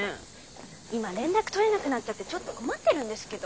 今連絡取れなくなっちゃってちょっと困ってるんですけど。